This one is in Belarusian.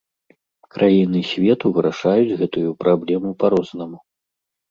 Краіны свету вырашаюць гэтую праблему па-рознаму.